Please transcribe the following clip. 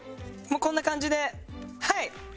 もうこんな感じではい。